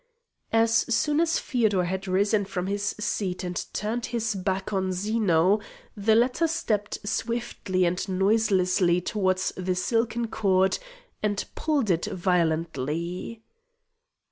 As soon as Feodor had risen from his seat and turned his back on Zeno, the latter stepped swiftly and noiselessly towards the silken cord and pulled it violently.